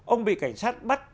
ông bị cảnh sát bắt